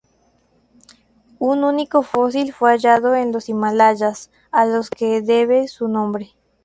Un único fósil fue hallado en los Himalayas, a los que debe su nombre.